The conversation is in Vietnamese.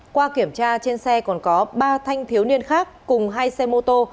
qua kiểm tra trên xe còn có ba thanh thiếu niên khác cùng hai xe mô tô